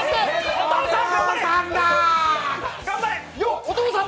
お父さん！